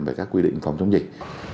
về các quy định phòng chống dịch